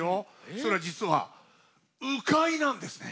それ実は鵜飼なんですね。